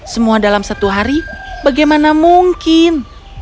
semua dalam satu hari bagaimana mungkin